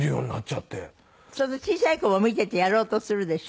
そうすると小さい子も見ててやろうとするでしょ？